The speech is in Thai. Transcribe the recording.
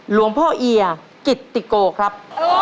หลวงพ่อเอียกิตติโกครับ